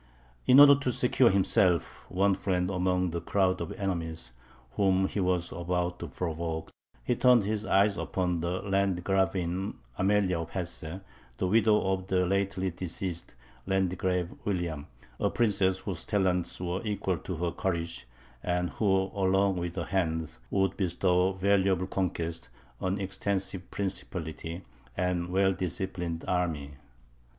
In order to secure himself one friend among the crowd of enemies whom he was about to provoke, he turned his eyes upon the Landgravine Amelia of Hesse, the widow of the lately deceased Landgrave William, a princess whose talents were equal to her courage, and who, along with her hand, would bestow valuable conquests, an extensive principality, and a well disciplined army.